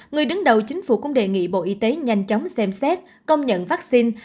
người đứng đầu chính phủ cũng đề nghị bộ y tế nhanh chóng xem xét công nhận vaccine